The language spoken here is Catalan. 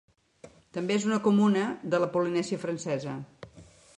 També és una comuna de la Polinèsia Francesa.